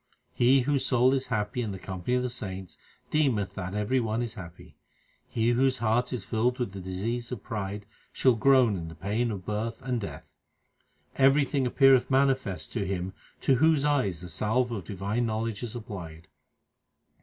1 He whose soul is happy in the company of the saints deemeth that every one is happy. He whose heart is filled with the disease of pride shall groan in the pain of birth and death. Everything appeareth manifest to him to whose eyes the salve of divine knowledge is applied.